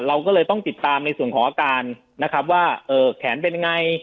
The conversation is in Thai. เราก็เลยต้องติดตามในส่วนของอาการนะครับว่าแขนเป็นยังไง